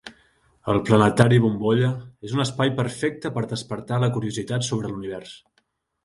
El Planetari Bombolla és un espai perfecte per despertar la curiositat sobre l'univers.